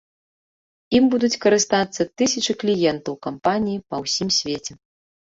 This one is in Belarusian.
Ім будуць карыстацца тысячы кліентаў кампаніі па ўсім свеце.